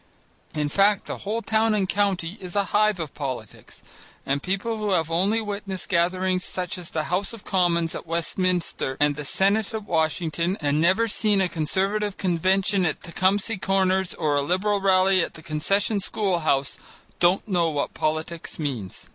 In fact, the whole town and county is a hive of politics, and people who have only witnessed gatherings such as the House of Commons at Westminster and the Senate at Washington and never seen a Conservative Convention at Tecumseh Corners or a Liberal Rally at the Concession school house, don't know what politics means.